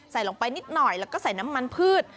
ใส่ลงไปนิดหน่อยแล้วก็ใส่น้ำมันพืช